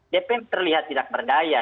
dpr terlihat tidak berdaya